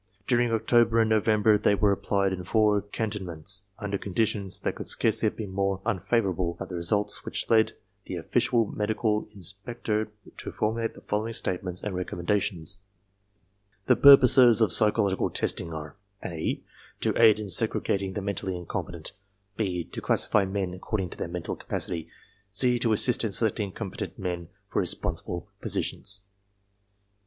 During October and November they were applied in four cantonments under conditions which could scarcely have been more un favorable but with results which led the official medical in spector to formulate the following statements and reconmienda tions: "The purposes of psychological testing are (a) to aid in segregating the mentally incompetent, (b) to classify men ac cording to their mental capacity, (c) to assist in selecting com petent men for responsible positions.